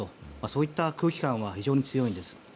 そういった空気感は非常に強いんです。